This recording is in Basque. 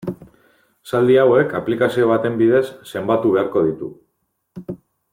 Esaldi hauek aplikazio baten bidez zenbatu beharko ditugu.